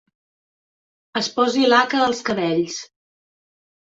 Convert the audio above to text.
Es posi laca als cabells.